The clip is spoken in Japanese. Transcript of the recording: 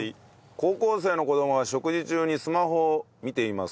高校生の子供が食事中にスマホを見ています。